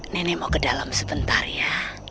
nenek mau ke dalam sebentar ya